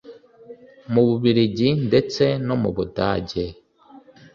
mu Bubiligi ndetse no mu Budage